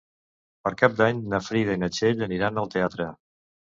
Per Cap d'Any na Frida i na Txell aniran al teatre.